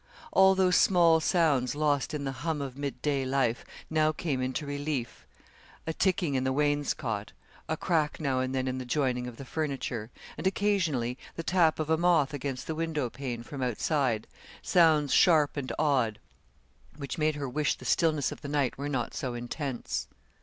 All those small sounds lost in the hum of midday life now came into relief a ticking in the wainscot, a crack now and then in the joining of the furniture, and occasionally the tap of a moth against the window pane from outside, sounds sharp and odd, which made her wish the stillness of the night were not so intense.